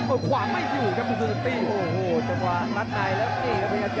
โอ้ยขวางไม่อยู่ครับมันคือตัวตีโอ้โหจังหวังลัดนายแล้วนี่ครับครับ